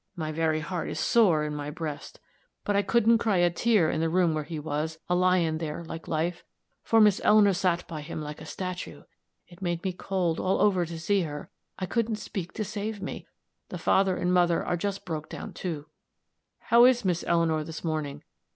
My very heart is sore in my breast; but I couldn't cry a tear in the room where he was, a lying there like life, for Miss Eleanor sot by him like a statue. It made me cold all over to see her I couldn't speak to save me. The father and mother are just broke down, too." "How is Miss Eleanor, this morning?"